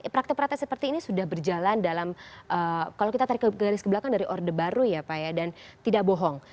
praktek praktek seperti ini sudah berjalan dalam kalau kita tarik garis ke belakang dari orde baru ya pak ya dan tidak bohong